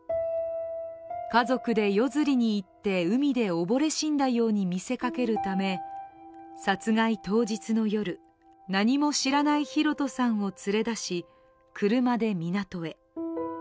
家族で夜釣りに行って海で溺れ死んだように見せかけるため殺害当日の夜何も知らない寛人さんを連れ出し、車で港へ。